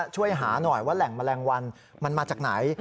ช่วยหาหน่อยว่าแหล่งแมลงวันมันมาจากไหน